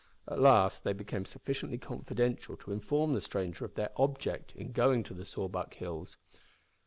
At last they became sufficiently confidential to inform the stranger of their object in going to the Sawback Hills.